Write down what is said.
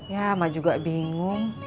ya emak juga bingung